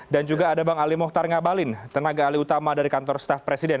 dan juga ada bang ali mohtar ngabalin tenaga alih utama dari kantor staff presiden